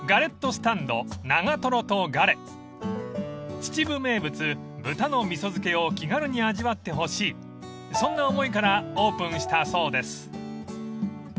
［秩父名物豚の味噌漬けを気軽に味わってほしいそんな思いからオープンしたそうです］